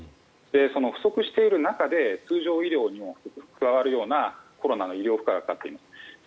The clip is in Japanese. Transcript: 不足している中で通常医療にも加わるようなコロナの医療負荷がかかっています。